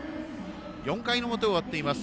４回の表終わっています。